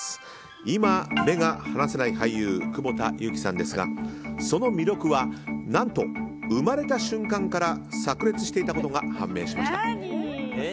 今、目が離せない俳優久保田悠来さんですがその魅力は何と生まれた瞬間から炸裂していたことが判明しました。